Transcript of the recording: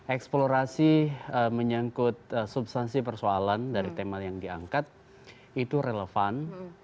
eksplorasi menyangkut substansi persoalan dari tema yang diangkat itu relevan